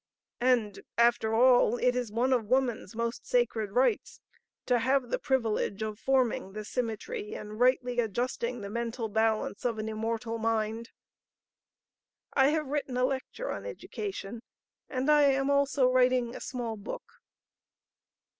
And after all, it is one of woman's most sacred rights to have the privilege of forming the symmetry and rightly adjusting the mental balance of an immortal mind." "I have written a lecture on education, and I am also writing a small book."